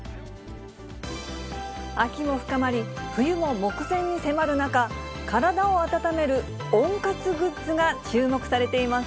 秋も深まり、冬も目前に迫る中、体を温める温活グッズが注目されています。